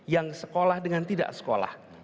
yang sekolah dengan tidak sekolah